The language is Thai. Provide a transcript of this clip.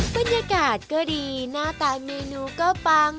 บรรยากาศก็ดีหน้าตาเมนูก็ปัง